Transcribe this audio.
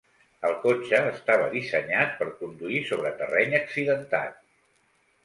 El cotxe estava dissenyat per conduir sobre terreny accidentat.